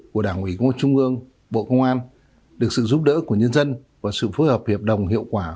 của đảng ủy công an trung ương bộ công an được sự giúp đỡ của nhân dân và sự phối hợp hiệp đồng hiệu quả